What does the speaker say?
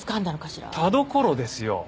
田所ですよ！